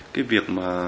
cái việc mà